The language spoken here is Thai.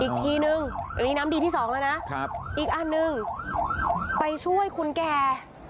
อีกทีนึงนี้น้ำดีที่๒แล้วนะอีกอันนึงไปช่วยคุณแก